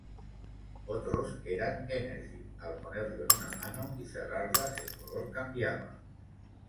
Otros eran energy, al ponerlo en una mano y cerrarla el color cambiaba.